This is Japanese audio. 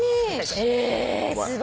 えすごい！